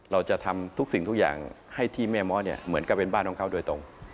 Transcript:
เราจะทำทุกสิ่งทุกอย่างให้ที่แม่เมาะเนี่ยเหมือนกับเป็นบ้านของเขาโดยตรง